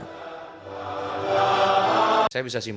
saya bisa simpulkan bahwa saya tidak akan menang